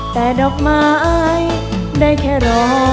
แต่ดอกไม้ได้แค่รอ